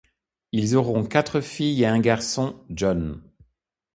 Ils auront quatre filles et un garçon, John.